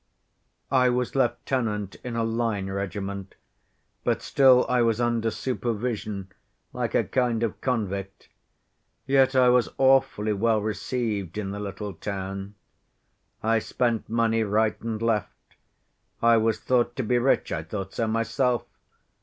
"I was lieutenant in a line regiment, but still I was under supervision, like a kind of convict. Yet I was awfully well received in the little town. I spent money right and left. I was thought to be rich; I thought so myself.